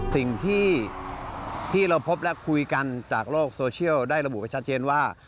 สิ่งที่ที่เราพบและคุยกันจากโลกโซเชียลได้ระบุไว้ชัดเจนว่า